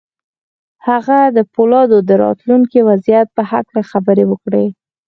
هغه د پولادو د راتلونکي وضعيت په هکله خبرې وکړې.